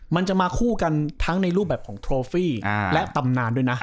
มันจะมาคู่กันทั้งในรูปแบบของโทฟี่และตำนานด้วยนะ